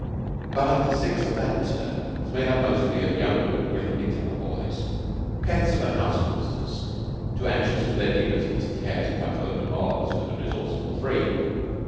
But the Sixth of that term was made up mostly of young but brilliantly clever boys, pets of the house masters, too anxious for their dignity to care to come to open odds with the resourceful three.